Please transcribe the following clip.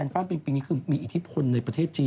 ฟ้านปริงปิงมีอิทธิพลในประเทศจีน